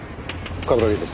冠城です。